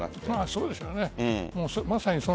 そうでしょうね。